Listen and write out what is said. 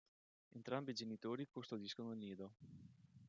Entrambi i genitori custodiscono il nido.